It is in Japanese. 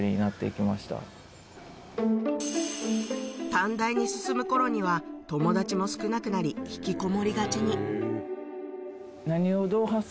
短大に進む頃には友達も少なくなり引きこもりがちに何を。